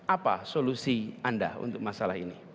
apa solusi anda untuk masalah ini